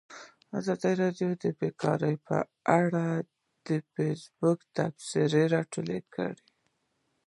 ازادي راډیو د بیکاري په اړه د فیسبوک تبصرې راټولې کړي.